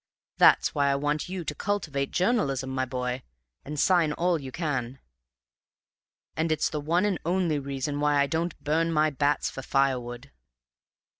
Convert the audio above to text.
That's why I want you to cultivate journalism, my boy, and sign all you can. And it's the one and only reason why I don't burn my bats for firewood."